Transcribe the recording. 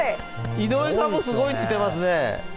井上さんもすごい似てますね。